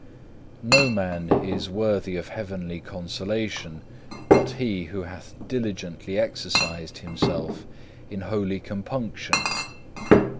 5. No man is worthy of heavenly consolation but he who hath diligently exercised himself in holy compunction.